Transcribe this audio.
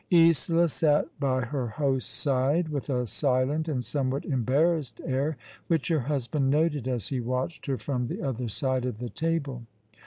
Isola sat by her host's side, with a silent and somewhat embarrassed air, which her husband noted as he watched her from the other side of the table.